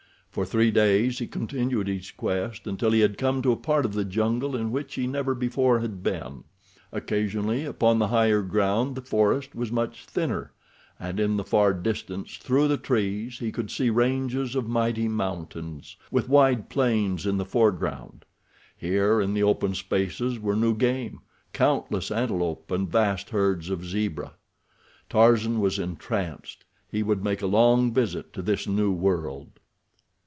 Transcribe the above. For three days he continued his quest, until he had come to a part of the jungle in which he never before had been. Occasionally upon the higher ground the forest was much thinner, and in the far distance through the trees he could see ranges of mighty mountains, with wide plains in the foreground. Here, in the open spaces, were new game—countless antelope and vast herds of zebra. Tarzan was entranced—he would make a long visit to this new world.